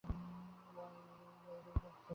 গাড়ি বের করতে বললেন।